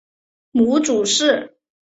母祝氏。